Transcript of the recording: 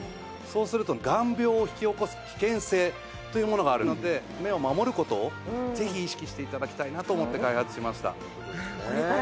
そうすると眼病を引き起こす危険性というものがあるので目を守る事をぜひ意識して頂きたいなと思って開発しました。